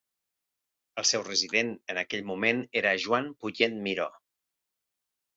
El seu resident en aquell moment era Joan Punyet Miró.